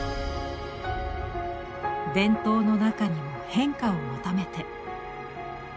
伝統の中にも変化を求めて。